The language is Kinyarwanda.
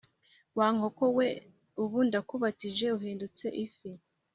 wa nkoko we, ubu ndakubatije uhindutse ifi"